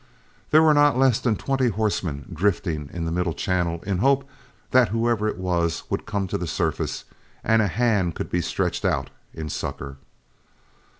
There were not less than twenty horsemen drifting in the middle channel in the hope that whoever it was would come to the surface, and a hand could be stretched out in succor.